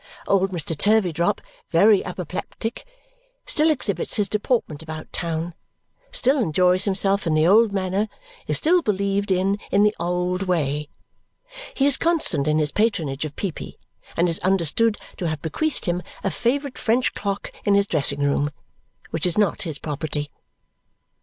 Old Mr. Turveydrop, very apoplectic, still exhibits his deportment about town, still enjoys himself in the old manner, is still believed in in the old way. He is constant in his patronage of Peepy and is understood to have bequeathed him a favourite French clock in his dressing room which is not his property.